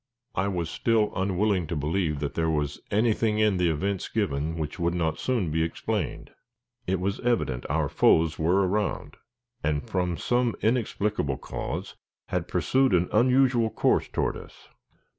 I was still unwilling to believe that there was anything in the events given which would not soon be explained. It was evident our foes were around, and from some inexplicable cause, had pursued an unusual course toward us.